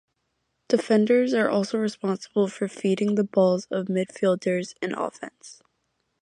Defenders are also responsible for feeding the balls to midfielders and offense.